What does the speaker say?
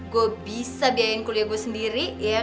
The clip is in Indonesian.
gue bisa biayain kuliah gue sendiri ya